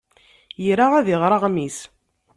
Ira ad iɣer aɣmis.